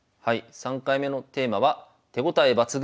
３回目のテーマは「手応え抜群！